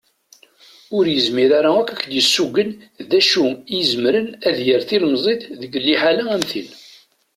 Ur yezmir ara akk ad yessugen d acu i izemren ad yerr tilemẓit deg liḥala am tin.